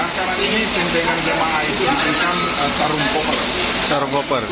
karena ini pimpinan jamaah itu diberikan sarung koper